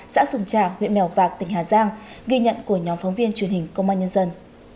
xã sùng trà huyện mèo vạc tỉnh hà giang ghi nhận của nhóm phóng viên truyền hình công an nhân dân